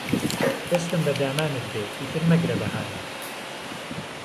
دهستم به دامانت بێ ئیتر مهگره بههانه